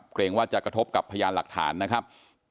เกรงว่าจะกระทบกับพยานหลักฐานนะครับ